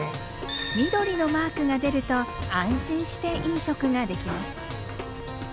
緑のマークが出ると安心して飲食ができます。